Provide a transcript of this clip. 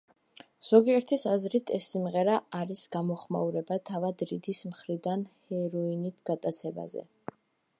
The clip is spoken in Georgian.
ზოგიერთის აზრით, ეს სიმღერა არის გამოხმაურება თავად რიდის მხრიდან ჰეროინით გატაცებაზე.